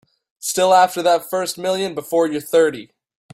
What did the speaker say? Still after that first million before you're thirty.